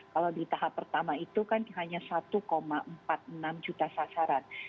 kalau di tahap pertama itu kan hanya satu